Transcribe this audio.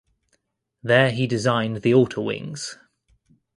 There he designed the altar wings.